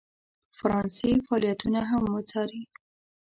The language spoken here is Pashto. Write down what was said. فرانسې فعالیتونه هم وڅاري.